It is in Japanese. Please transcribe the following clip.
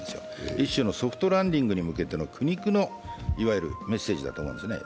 一種のソフトランディングに向けての苦肉のメッセージなんですね。